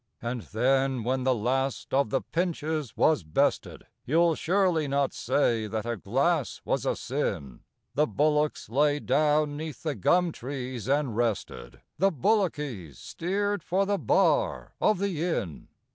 And then, when the last of the pinches was bested, (You'll surely not say that a glass was a sin?) The bullocks lay down 'neath the gum trees and rested The bullockies steered for the bar of the inn.